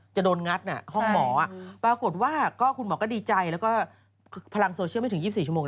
จะโดนงัดห้องหมอปรากฏว่าก็คุณหมอก็ดีใจแล้วก็พลังโซเชียลไม่ถึง๒๔ชั่วโมง